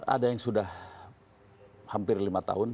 ada yang sudah hampir lima tahun